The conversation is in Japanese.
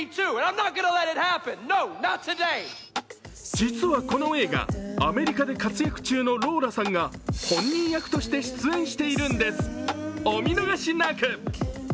実はこの映画、アメリカで活躍中のローラさんが本人役として出演しているんです、お見逃しなく。